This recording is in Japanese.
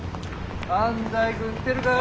安西君来てるか？